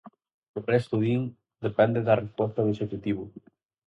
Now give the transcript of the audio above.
O resto, din, depende da resposta do executivo.